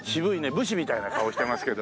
武士みたいな顔してますけど。